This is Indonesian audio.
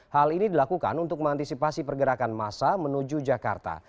hal ini dilakukan untuk mengantisipasi pergerakan masa menuju jakarta